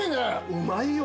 うまいよ。